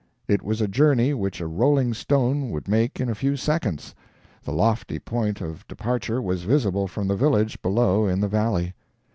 It was a journey which a rolling stone would make in a few seconds the lofty point of departure was visible from the village below in the valley.